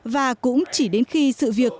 và cũng chỉ đến khi sự việc